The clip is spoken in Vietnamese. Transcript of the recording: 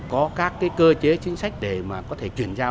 có các cơ chế chính sách để mà có thể chuyển tra